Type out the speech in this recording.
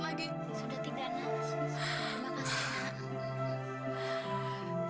sudah tidak nak terima kasih nak